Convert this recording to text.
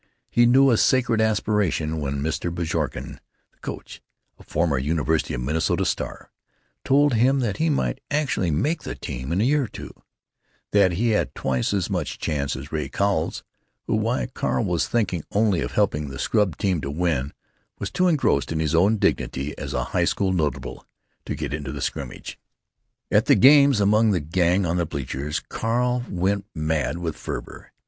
He knew a sacred aspiration when Mr. Bjorken, the coach, a former University of Minnesota star, told him that he might actually "make" the team in a year or two; that he had twice as much chance as Ray Cowles, who—while Carl was thinking only of helping the scrub team to win—was too engrossed in his own dignity as a high school notable to get into the scrimmage. At the games, among the Gang on the bleachers, Carl went mad with fervor.